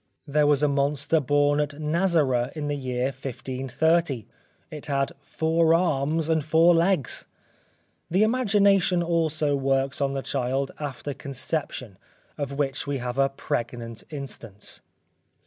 There was a monster born at Nazara in the year 1530. It had four arms and four legs. The imagination also works on the child, after conception, of which we have a pregnant instance.